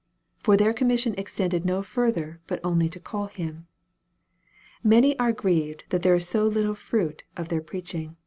For their commission extended no further but only to call him. Many are grieved that there is so little fruit of their preaching.